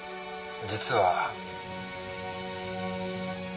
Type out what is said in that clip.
実は。